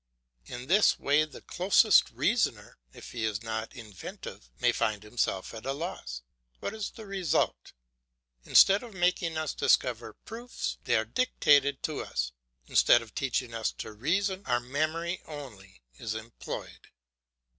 In this way the closest reasoner, if he is not inventive, may find himself at a loss. What is the result? Instead of making us discover proofs, they are dictated to us; instead of teaching us to reason, our memory only is employed.